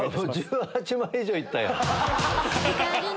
１８万以上いったやん。